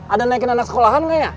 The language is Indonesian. ada naikin anak sekolahan nggak ya